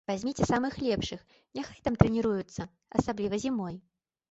Вазьміце самых лепшых, няхай там трэніруюцца, асабліва зімой.